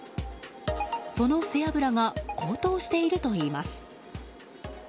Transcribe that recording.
その背脂が高騰しているといいます。